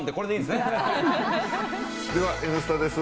では「Ｎスタ」です。